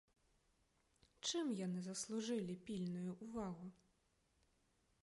Чым яны заслужылі пільную ўвагу?